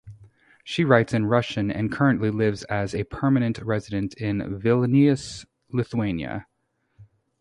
She writes in Russian and currently lives as a permanent resident in Vilnius, Lithuania.